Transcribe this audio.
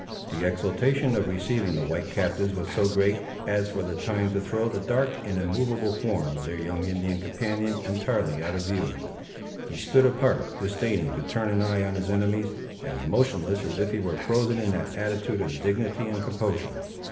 The exultation of receiving the white captives was so great, as for a time to throw the dark and immovable form of their young Indian companion entirely out of view. He stood apart, disdaining to turn an eye on his enemies, as motionless as if he were frozen in that attitude of dignity and composure.